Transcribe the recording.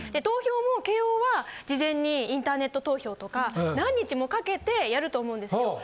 投票も慶應は事前にインターネット投票とか何日もかけてやると思うんですよ。